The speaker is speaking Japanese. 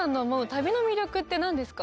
旅の魅力って何ですか？